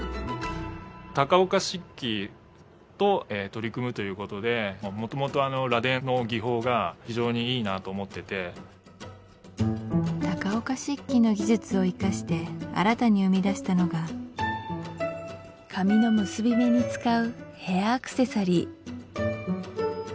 高岡漆器と取り組むということでもともと螺鈿の技法が非常にいいなと思ってて高岡漆器の技術を生かして新たに生み出したのが髪の結び目に使うヘアアクセサリー